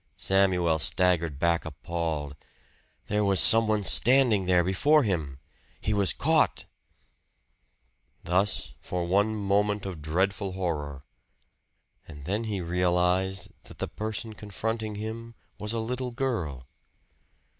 Samuel staggered back appalled. There was some one standing there before him! He was caught! Thus for one moment of dreadful horror. And then he realized that the person confronting him was a little girl!